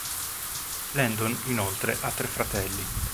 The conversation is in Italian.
Landon inoltre ha tre fratelli.